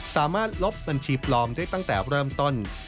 ลบบัญชีปลอมได้ตั้งแต่เริ่มต้น